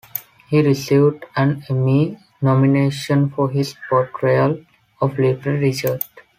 He received an Emmy nomination for his portrayal of Little Richard.